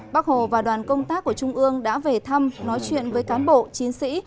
bắc hồ và đoàn công tác của trung ương đã về thăm nói chuyện với cán bộ chiến sĩ